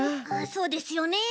そうですよね。